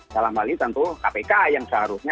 dalam hal ini tentu kpk yang seharusnya